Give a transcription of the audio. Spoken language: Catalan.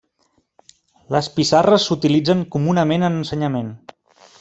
Les pissarres s'utilitzen comunament en ensenyament.